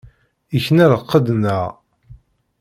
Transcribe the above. Ikna lqedd-nneɣ.